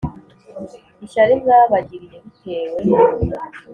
ishyari mwabagiriye bitewe